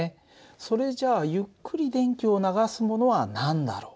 それじゃあゆっくり電気を流すものは何だろう。